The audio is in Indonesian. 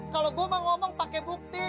kalau gue mau ngomong pakai bukti